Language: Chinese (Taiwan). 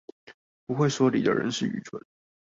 不會說理的人是愚蠢